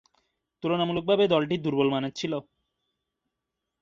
তুলনামূলকভাবে দলটি দূর্বলমানের ছিল।